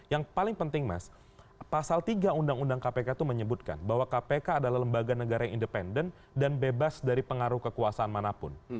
yang paling penting mas pasal tiga undang undang kpk itu menyebutkan bahwa kpk adalah lembaga negara yang independen dan bebas dari pengaruh kekuasaan manapun